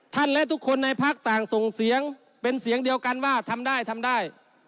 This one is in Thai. ทุกคนและทุกคนในพักต่างส่งเสียงเป็นเสียงเดียวกันว่าทำได้ทำได้